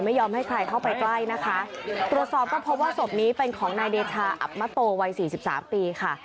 ไม่ยอมให้ใครเข้าไปใกล้นะคะตรวจสอบก็พบว่าศพนี้เป็นของนายเดชาอับมโตวัยสี่สิบสามปีค่ะ